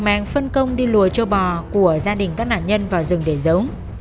mang phân công đi lùa châu bò của gia đình các nạn nhân vào rừng để giấu